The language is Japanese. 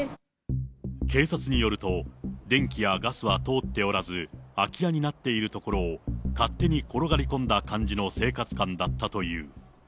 警察によると、電気やガスは通っておらず、空き家になっている所を、勝手に転がり込んだ感じの生活感だったという。